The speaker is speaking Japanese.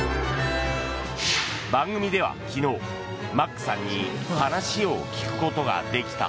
番組では昨日、マックさんに話を聞くことができた。